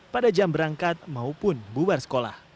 pada jam berangkat maupun bubar sekolah